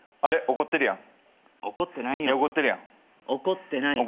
怒ってるやん。